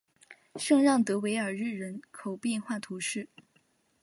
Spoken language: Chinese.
圣让德韦尔日人口变化图示